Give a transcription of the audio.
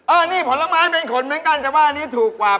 อันนี้ผลไม้เป็นขนเหมือนกันแต่ว่าอันนี้ถูกกว่า